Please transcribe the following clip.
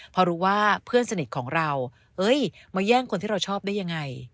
พอรู้ว่าเพื่อนสนิทของเรามาแย่งคนที่เราชอบได้ยังไง